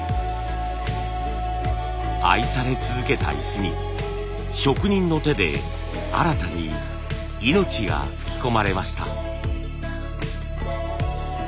愛され続けた椅子に職人の手で新たに命が吹き込まれました。